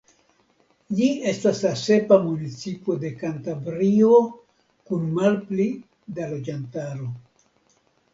Ĝi estas la sepa municipo de Kantabrio kun malpli da loĝantaro.